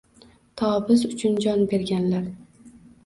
To biz uchun jon berganlar —